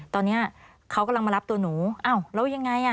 ตอนนี้เขากำลังมารับตัวหนูอ้าวแล้วยังไงอ่ะ